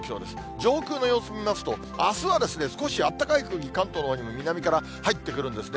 上空の様子見ますと、あすは少しあったかい空気、関東のほうにも南から入ってくるんですね。